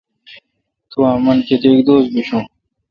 تو امں کیتک دوس بشون۔